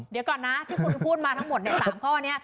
เดี๋ยวก่อนนะที่คุณพูดมาทั้งหมด๓ข้อนี้